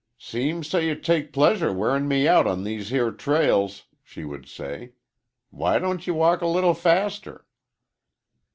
"Seems so ye take pleasure wearin' me out on these here trails," she would say. "Why don't ye walk a little faster?"